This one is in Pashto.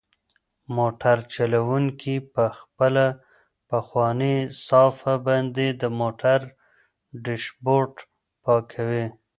موټر چلونکی په خپله پخوانۍ صافه باندې د موټر ډشبورډ پاکوي.